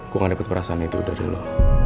gue nggak dapat merasakan itu dari lo